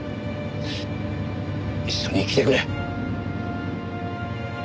一緒に生きてくれ。